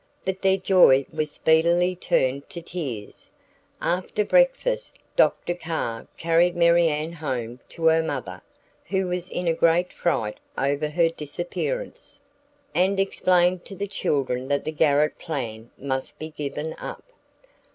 But their joy was speedily turned to tears. After breakfast, Dr. Carr carried Marianne home to her mother, who was in a great fright over her disappearance, and explained to the children that the garret plan must be given up.